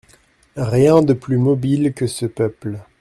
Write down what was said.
Rien de plus mobile que ce peuple.